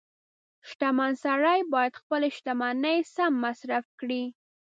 • شتمن سړی باید خپله شتمني سم مصرف کړي.